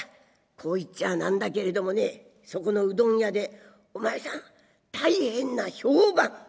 「こう言っちゃ何だけれどもねそこのうどん屋でお前さん大変な評判。